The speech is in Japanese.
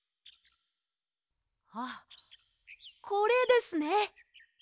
あっこれですね！